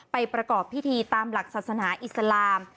ประกอบพิธีตามหลักศาสนาอิสลาม